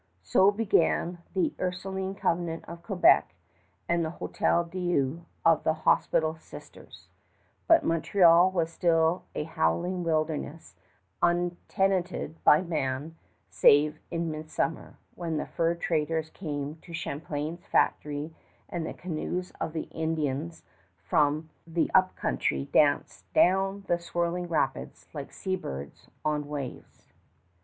So began the Ursuline Convent of Quebec and the Hôtel Dieu of the hospital sisters; but Montreal was still a howling wilderness untenanted by man save in midsummer, when the fur traders came to Champlain's factory and the canoes of the Indians from the Up Country danced down the swirling rapids like sea birds on waves.